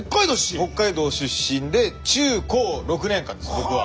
北海道出身で中高６年間です僕は。